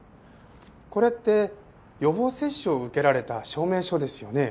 これって予防接種を受けられた証明書ですよね？